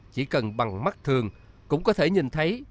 chỉ cần bằng mắt thường cũng có thể nhìn thấy